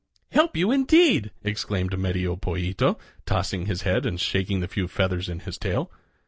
"Help you, indeed!" exclaimed Medio Pollito, tossing his head and shaking the few feathers in his tail.